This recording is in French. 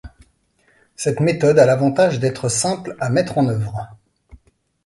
Cette méthode a l'avantage d'être simple à mettre en œuvre.